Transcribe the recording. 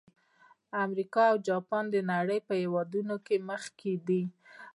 امریکا او جاپان د نړۍ په هېوادونو کې مخکې دي.